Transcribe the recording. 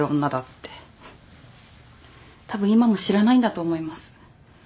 たぶん今も知らないんだと思います。